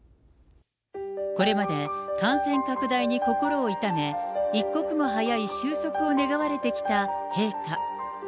これまで、感染拡大に心を痛め、一刻も早い収束を願われてきた陛下。